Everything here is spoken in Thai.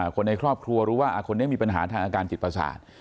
คนในครอบครัวรู้ว่าคนนี้มีปัญหาทางอาการจิตประสาท